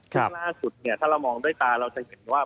ซึ่งล่าสุดเนี่ยถ้าเรามองด้วยตาเราจะเห็นว่า